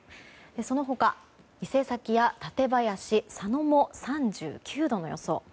その他、伊勢崎や舘林、佐野も３９度の予想。